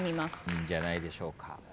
いいんじゃないでしょうか。